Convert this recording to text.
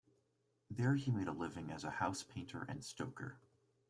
There he made a living as a house painter and stoker.